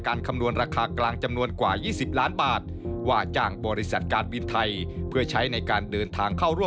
ก็เป็นการทำงานตามระบบของระบบอยู่แล้ว